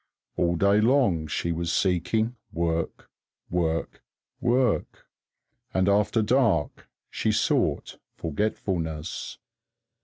All day long she was seeking work, work, work; and after dark she sought forgetfulness.